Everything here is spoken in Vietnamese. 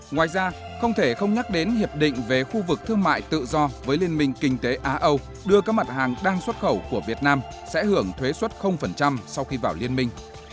ngoài ra không thể không nhắc đến hiệp định về khu vực thương mại tự do với liên minh kinh tế á âu đưa các mặt hàng đang xuất khẩu của việt nam sẽ hưởng thuế xuất sau khi vào liên minh